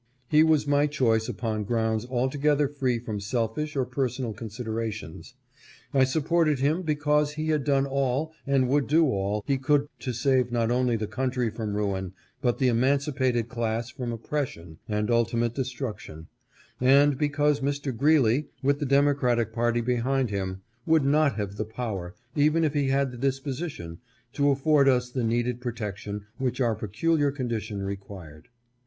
He was my choice upon grounds altogether free from selfish or per sonal considerations. I supported him because he had done all, and would do all, he could to save not only the country from ruin but the emancipated class from oppres sion and ultimate destruction, and because Mr. Greeley, with the Democratic party behind him, would not have 510 UNVEILING LINCOLN MONUMENT. the power, even if he had the disposition, to afford us the needed protection which our peculiar condition required.